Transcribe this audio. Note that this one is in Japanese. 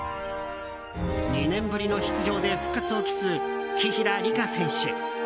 ２年ぶりの出場で復活を期す紀平梨花選手。